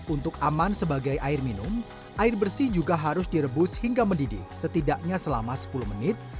untuk aman sebagai air minum air bersih juga harus direbus hingga mendidih setidaknya selama sepuluh menit